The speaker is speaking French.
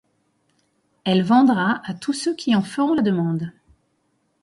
Elle vendra à tous ceux qui en feront la demande.